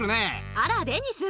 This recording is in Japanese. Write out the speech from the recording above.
あら、デニス。